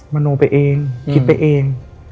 โนไปเองคิดไปเอง